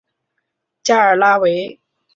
加尔拉韦。